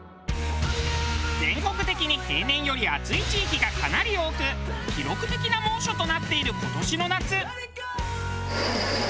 全国的に平年より暑い地域がかなり多く記録的な猛暑となっている今年の夏。